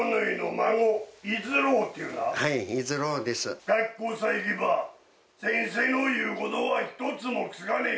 学校さ行けば先生の言うことはひとつも聞かねえ。